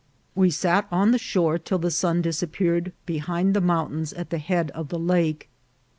We sat on the shore till the sun disappeared behind the mountains at the head of the lake.